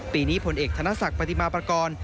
ปีนี้ผลเอกธนศักดิ์ปฏิมาปากร